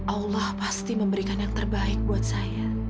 allah pasti memberikan yang terbaik buat saya